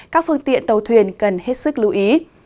các phương tiện tàu thuyền cần hết sức lưu ý